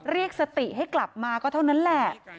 เรียกสติให้กลับมาก็เท่านั้นแหละ